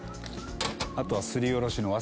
あとはすりおろしのワサビ。